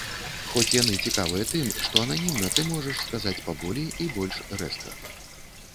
Хоць яны цікавыя тым, што ананімна ты можаш сказаць паболей і больш рэзка.